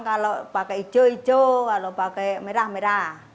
kalau pake hijau hijau kalau pake merah merah